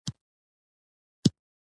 د میمونې څادر به چا موندلې وينه